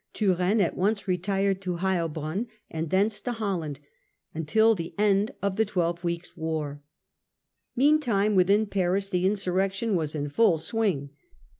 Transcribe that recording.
Turenne at once retired to Heilbronn, and thence to Holland, until the end of the twelve weeks' war. Meantime, within Paris, the insurrection was in full swing.